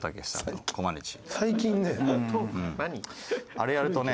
あれやるとね